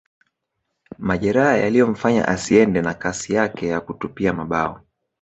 Majeraha yaliyomfanya asiende na kasi yake ya kutupia mabao